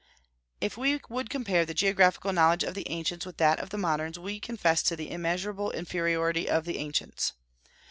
If we would compare the geographical knowledge of the ancients with that of the moderns, we confess to the immeasurable inferiority of the ancients.